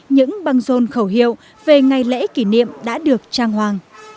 những băng rôn khẩu hiệu về ngày lễ kỷ niệm đã được trang hoàng